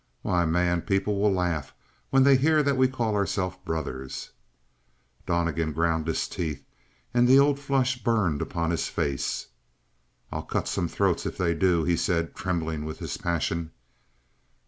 "Why, man, people will laugh when they hear that we call ourselves brothers." Donnegan ground his teeth and the old flush burned upon his face. "I'll cut some throats if they do," he said, trembling with his passion.